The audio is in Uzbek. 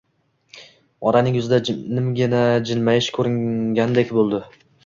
Onaning yuzida nimgina jilmayish ko‘ringandek bo‘ldi